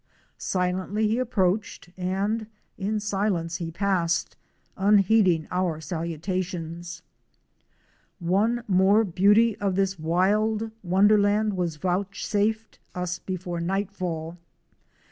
Silently he approached and in silence he passed — unheeding our salutations. One more beauty of this wild wonderland was vouchsafed us before night fell.